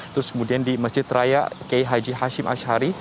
terus kemudian di masjid raya k h hashim ashari